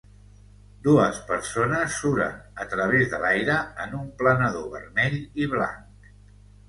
Dues persones suren a través de l'aire en un planador vermell i blanc.